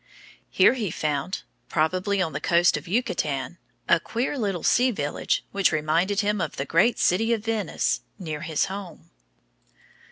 Here he found, probably on the coast of Yucatan, a queer little sea village which reminded him of the great city of Venice near his home.